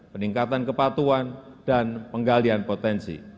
peningkatan kepatuan dan penggalian potensi